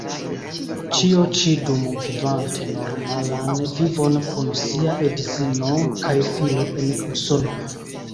Ĉio ĉi dum vivante normalan vivon kun sia edzino kaj filo en Usono.